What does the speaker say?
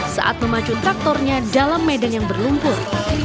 saat memacu traktornya dalam medan yang berlumpur